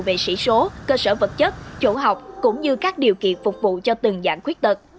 về sĩ số cơ sở vật chất chỗ học cũng như các điều kiện phục vụ cho từng dạng khuyết tật